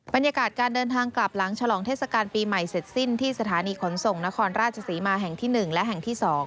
บรรยากาศการเดินทางกลับหลังฉลองเทศกาลปีใหม่เสร็จสิ้นที่สถานีขนส่งนครราชศรีมาแห่งที่๑และแห่งที่๒